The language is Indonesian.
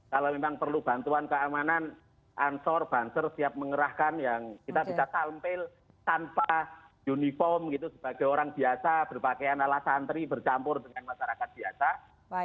kalau memang perlu bantuan keamanan ansor banser siap mengerahkan yang kita bisa tampil tanpa uniform gitu sebagai orang biasa berpakaian ala santri bercampur dengan masyarakat biasa